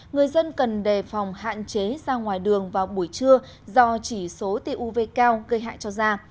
người dân cần đề phòng hạn chế ra ngoài đường vào buổi trưa do chỉ số tia uv cao gây hại cho da